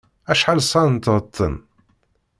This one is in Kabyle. Acḥal sɛan n tɣeṭṭen?